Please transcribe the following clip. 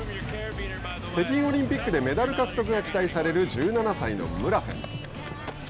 北京オリンピックでメダル獲得が期待される１７歳の村瀬。